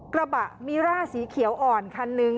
กระบะมิร่าสีเขียวอ่อนคันนึง